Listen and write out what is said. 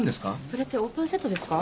それってオープンセットですか？